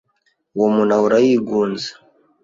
uwo muntu ahora yigunze